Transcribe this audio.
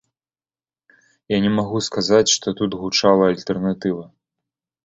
Я не магу сказаць, што тут гучала альтэрнатыва.